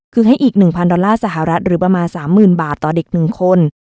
คือให้อีก๑๐๐ดอลลาร์สหรัฐหรือประมาณ๓๐๐๐บาทต่อเด็ก๑คน